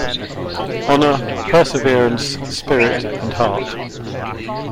Honor, Perseverance, Spirit and Heart.